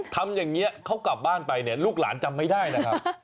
ทำอย่างนี้เขากลับบ้านไปเนี่ยลูกหลานจำไม่ได้นะครับ